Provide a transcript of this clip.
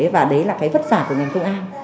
và đấy là cái vất vả của ngành công an